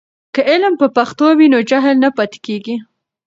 که علم په پښتو وي نو جهل نه پاتې کېږي.